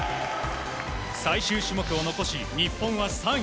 最終種目を残し日本は３位。